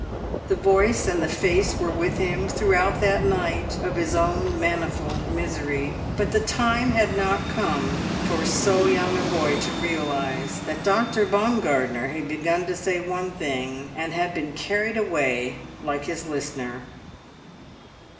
The voice and the face were with him throughout that night of his own manifold misery; but the time had not come for so young a boy to realise that Dr. Baumgartner had begun to say one thing, and been carried away like his listener.